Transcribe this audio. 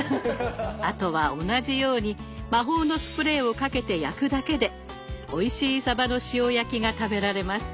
あとは同じように魔法のスプレーをかけて焼くだけでおいしいサバの塩焼きが食べられます。